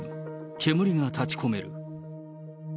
煙が立ち込める。